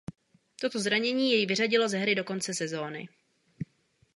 Toto zranění jej vyřadilo ze hry do konce sezóny.